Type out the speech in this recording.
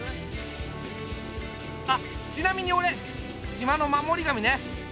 あっちなみに俺島の守り神ね。